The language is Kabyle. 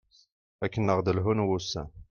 akken ad aɣ-d-lhun wussan